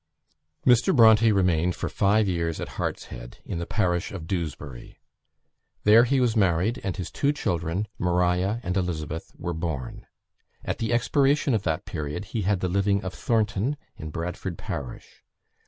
Mr. Bronte remained for five years at Hartshead, in the parish of Dewsbury. There he was married, and his two children, Maria and Elizabeth, were born. At the expiration of that period, he had the living of Thornton, in Bradford Parish.